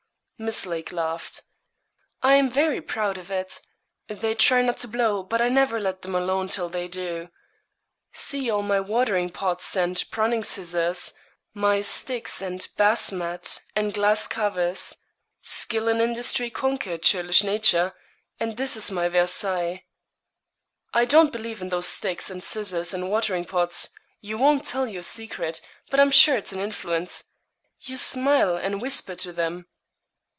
Miss Lake laughed. 'I am very proud of it. They try not to blow, but I never let them alone till they do. See all my watering pots, and pruning scissors, my sticks, and bass mat, and glass covers. Skill and industry conquer churlish nature and this is my Versailles.' 'I don't believe in those sticks, and scissors, and watering pots. You won't tell your secret; but I'm sure it's an influence you smile and whisper to them.'